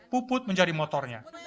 puput menjadi motornya